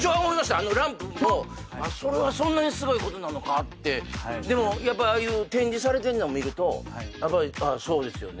あのランプもそれはそんなにすごいことなのかってでもああいう展示されてるのを見るとやっぱりそうですよね